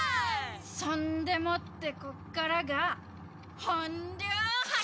そんでもってここからが本領発揮だー！